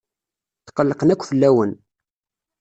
Tqellqen akk fell-awen.